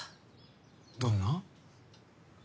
どんな？